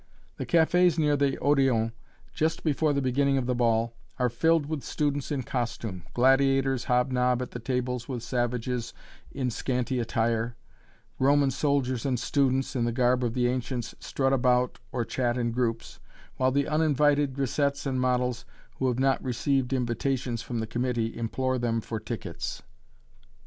The cafés near the Odéon, just before the beginning of the ball, are filled with students in costume; gladiators hobnob at the tables with savages in scanty attire Roman soldiers and students, in the garb of the ancients, strut about or chat in groups, while the uninvited grisettes and models, who have not received invitations from the committee, implore them for tickets.